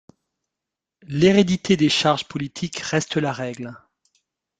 L'hérédité des charges politiques reste la règle.